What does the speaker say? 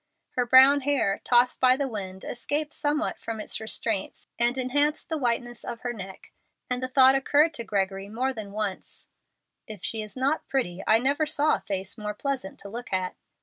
Her brown hair, tossed by the wind, escaped somewhat from its restraints and enhanced the whiteness of her neck, and the thought occurred to Gregory more than once, "If she is not pretty, I never saw a face more pleasant to look at."